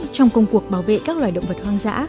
trong công cuộc bảo vệ các loài động vật hành giã